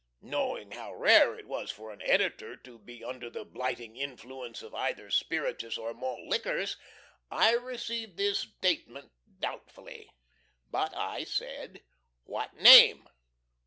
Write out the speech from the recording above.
Knowing how rare it was for an Editor to be under the blighting influence of either spiritous or malt liquors, I received this statement doubtfully. But I said: "What name?"